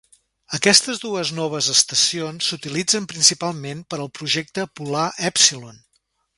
Aquestes dues noves estacions s"utilitzen principalment per al projecte Polar Epsilon.